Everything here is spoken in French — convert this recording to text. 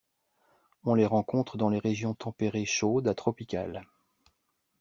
On les rencontre dans les régions tempérées chaudes à tropicales.